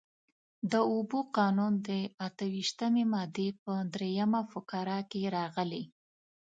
د اوبو قانون د اته ویشتمې مادې په درېیمه فقره کې راغلي.